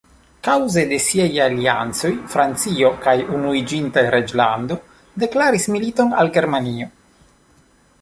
Kaŭze de siaj aliancoj Francio kaj Unuiĝinta Reĝlando deklaris militon al Germanio.